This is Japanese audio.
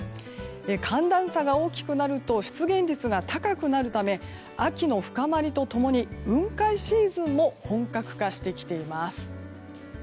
寒暖差が大きくなると出現率が高くなるため秋の深まりとともに雲海シーズンも本格化してきています。